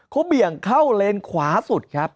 เขาเบี่ยงเข้าเลนขวาสุดครับ